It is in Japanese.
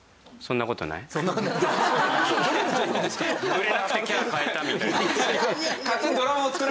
売れなくてキャラ変えたみたいな。